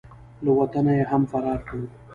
له وطنه یې هم فرار کړ.